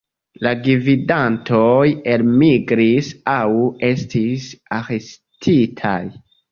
La gvidantoj elmigris aŭ estis arestitaj.